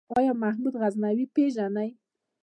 آيا محمود غزنوي پېژنې ؟